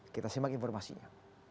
kita simak informasinya